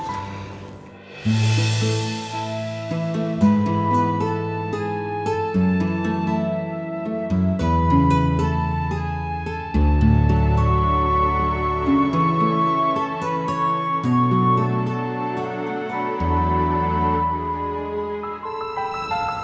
aku mau ke rumah